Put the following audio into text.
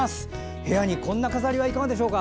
部屋にこんな飾りはいかがでしょうか。